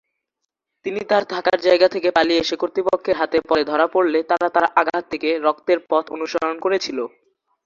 তিনি তার থাকার জায়গা থেকে পালিয়ে এসে কর্তৃপক্ষের হাতে পরে ধরা পড়লে তারা তার আঘাত থেকে রক্তের পথ অনুসরণ করেছিল।